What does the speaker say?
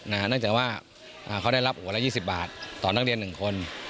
เนื่องจากว่าเขาได้รับหัวละ๒๐บาทต่อนักเรียน๑คน